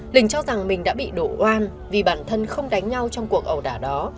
linh cho rằng mình đã bị đổ oan vì bản thân không đánh nhau trong cuộc ẩu đả đó